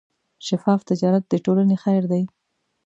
شفاف تجارت د ټولنې خیر دی.